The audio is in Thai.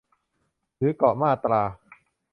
หรือเกาะมาตรา